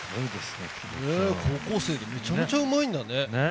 ねえ高校生でめちゃめちゃうまいんだね。